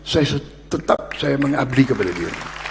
saya tetap saya mengabdi kepada dia